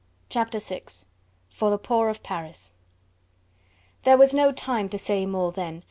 Chapter VI: For the Poor of Paris There was no time to say more then.